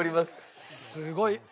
すごい。